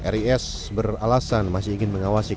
ris beralasan masih ingin mengawasi